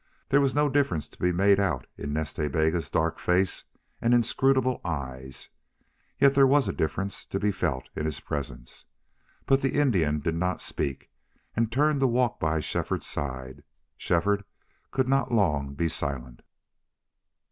There was no difference to be made out in Nas Ta Bega's dark face and inscrutable eyes, yet there was a difference to be felt in his presence. But the Indian did not speak, and turned to walk by Shefford's side. Shefford could not long be silent.